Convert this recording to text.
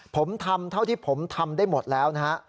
ผมทำเท่าที่ผมทำได้หมดแล้วนะฮะ